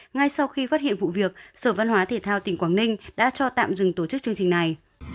ngay sau khi phát hiện vụ việc sở văn hóa thể thao tỉnh quảng ninh đã cho tạm dừng tổ chức chương trình này